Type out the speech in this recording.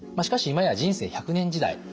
しかし今や人生１００年時代。